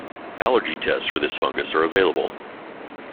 Allergy tests for this fungus are available.